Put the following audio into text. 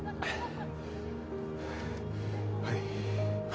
はい。